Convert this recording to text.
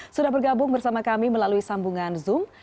sudah bergabung bersama kami melalui sambungan zoom